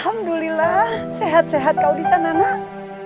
alhamdulillah sehat sehat kau di sana nak